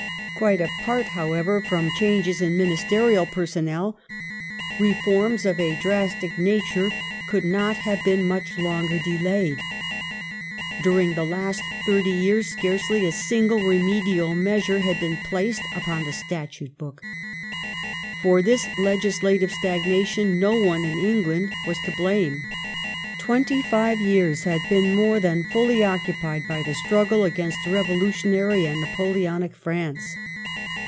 Quite apart, however, from changes in ministerial personnel, Reasons reforms of a drastic nature could not have been much loneer de ^^^^^'° forming layed. activity During the last thirty years scarcely a single remedial measure had been placed upon the Statute book. For this legislative stag nation no one in England was to blame. Twenty five yeai s had been more than fully occupied by the struggle against revolutionary and Napoleonic France.